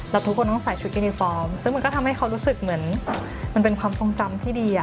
แล้วทุกคนต้องใส่ชุดยูนิฟอร์มซึ่งมันก็ทำให้เขารู้สึกเหมือนมันเป็นความทรงจำที่ดี